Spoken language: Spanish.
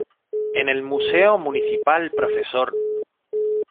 En el Museo Municipal Prof.